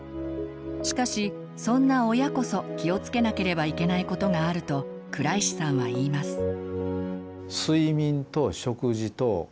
しかしそんな親こそ気をつけなければいけないことがあると倉石さんは言います。